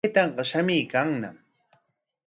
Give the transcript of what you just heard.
Taytanqa shamuykanñam.